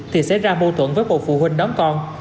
thì sẽ ra mâu thuẫn với bộ phụ huynh đón con